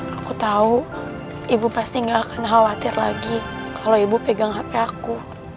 aku tahu ibu pasti gak akan khawatir lagi kalau ibu pegang hp aku